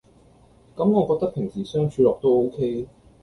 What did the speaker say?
咁我覺得平時相處落都 ok